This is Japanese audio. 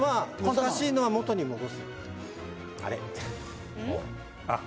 難しいのは元に戻すあれっ？